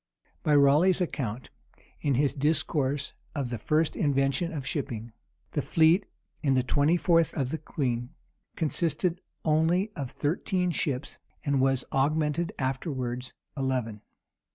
By Raleigh's account, in his discourse of the first invention of shipping, the fleet, in the twenty fourth of the queen, consisted only of thirteen ships, and was augmented afterwards eleven.